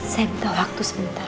saya minta waktu sebentar